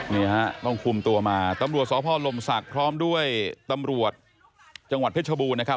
นี่ฮะต้องคุมตัวมาตำรวจสพลมศักดิ์พร้อมด้วยตำรวจจังหวัดเพชรบูรณนะครับ